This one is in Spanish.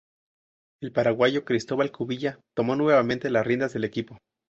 El paraguayo Cristóbal Cubilla tomó nuevamente las riendas del equipo.